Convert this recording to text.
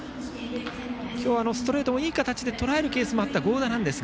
今日、ストレートをいい形でとらえるケースがあった合田なんですが。